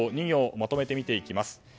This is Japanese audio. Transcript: ２行まとめて見ていきます。